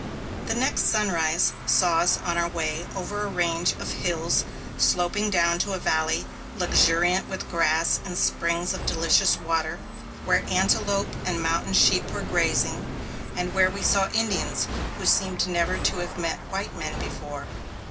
The next sunrise saw us on our way over a range of hills sloping down to a valley luxuriant with grass and springs of delicious water, where antelope and mountain sheep were grazing, and where we saw Indians who seemed never to have met white men before.